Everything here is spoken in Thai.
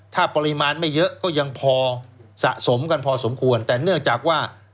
ถ้าปริมาณไม่เยอะก็ยังพอสะสมกันพอสมควรแต่เนื่องจากว่า